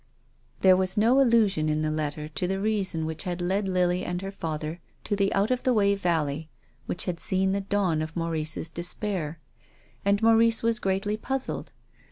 There was no allusion in the letter to the reason which had led Lily and her father to the out of the way valley which had seen the dawn of Maurice's despair. And Maurice was greatly puzzled.